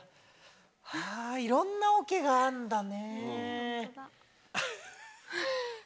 いろんなおけがあるんだね。